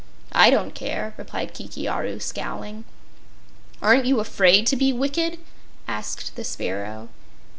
"I don't care," replied Kiki Aru, scowling. "Aren't you afraid to be wicked?" asked the sparrow.